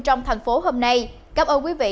trong thành phố hôm nay cảm ơn quý vị